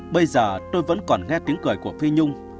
bây giờ tôi vẫn còn nghe tiếng cười của phi nhung